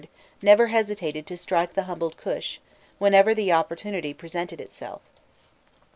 never hesitated to "strike the humbled Kush" whenever the opportunity presented itself.